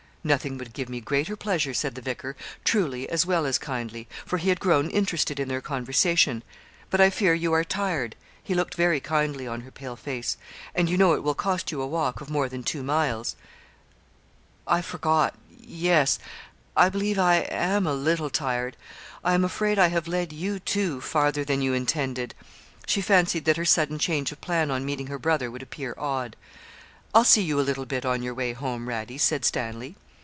'Nothing would give me greater pleasure,' said the vicar, truly as well as kindly, for he had grown interested in their conversation; 'but I fear you are tired' he looked very kindly on her pale face 'and you know it will cost you a walk of more than two miles.' 'I forgot yes I believe I am a little tired; I'm afraid I have led you, too, farther than you intended.' She fancied that her sudden change of plan on meeting her brother would appear odd. 'I'll see you a little bit on your way home, Radie,' said Stanley.